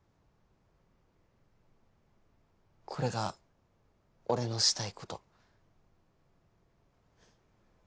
これが俺のしたいこと。